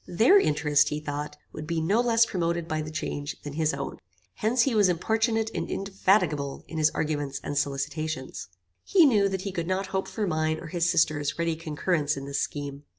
Their interest, he thought, would be no less promoted by the change than his own. Hence he was importunate and indefatigable in his arguments and solicitations. He knew that he could not hope for mine or his sister's ready concurrence in this scheme.